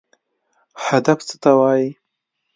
هدف څه ته وایي؟